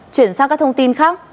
chuyển sang các thông tin khác